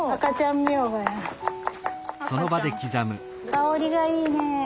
香りがいいね。